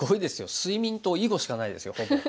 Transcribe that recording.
睡眠と囲碁しかないですよほぼ。